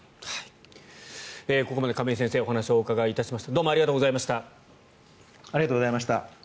ここまで亀井先生にお話をお伺いしました。